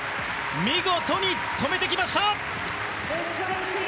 見事に止めてきました！